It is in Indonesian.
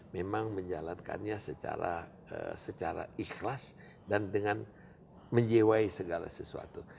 memang menjalankannya secara ikhlas dan dengan menjiwai segala sesuatu